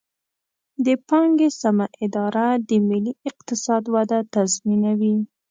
د پانګې سمه اداره د ملي اقتصاد وده تضمینوي.